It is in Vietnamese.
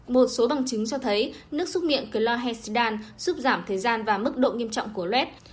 một số bằng chứng cho thấy nước xúc miệng clohesidan giúp giảm thời gian và mức độ nghiêm trọng của lot